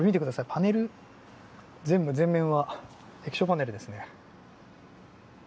パネル、全部、前面は液晶パネルですね。